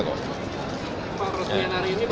pak rosmian hari ini pak pak